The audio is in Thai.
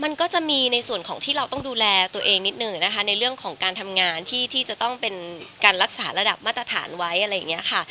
มันก็จะมีในส่วนของที่เราต้องดูแลตัวเองนิดหนึ่งนะคะในเรื่องของการทำงานที่จะต้องเป็นการรักษาระดับมาตรฐานไว้อะไรอย่างนี้ค่ะ